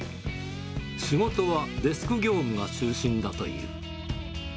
仕事はデスク業務が中心だという。